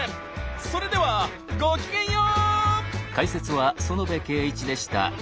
それではごきげんよう！